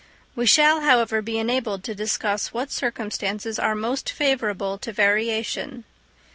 We shall, however, be enabled to discuss what circumstances are most favourable to variation.